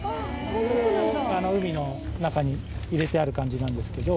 これを海の中に入れてある感じなんですけど。